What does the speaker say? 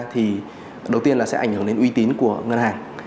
thì đầu tiên là sẽ ảnh hưởng đến uy tín của ngân hàng